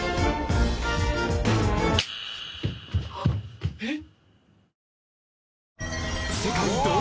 あっえっ！？